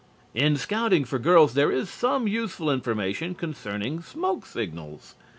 In "Scouting for Girls" there is some useful information concerning smoke signals.